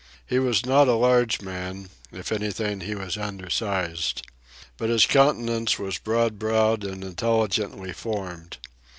He was not a large man; if anything he was undersized. But his countenance was broad browed and intelligently formed.